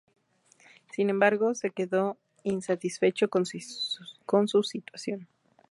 Sin embargo, se quedó insatisfecho con su situación.